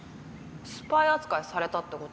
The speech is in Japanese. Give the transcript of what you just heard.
スパイ扱いされたって事？